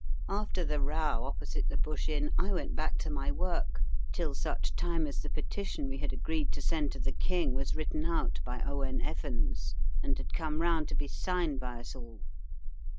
After the row opposite the Bush Inn, I went back to my work till such time as the petition we had agreed to send to the King was written out by Owen Evans, and had come round to be signed by us all.